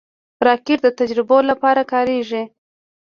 راکټ د تجربو لپاره کارېږي